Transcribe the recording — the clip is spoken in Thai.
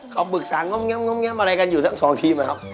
เขาปรึกษาง้อมแง้มอะไรกันอยู่ทั้งสองทีมนะครับ